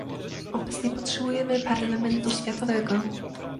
Obecnie potrzebujemy parlamentu światowego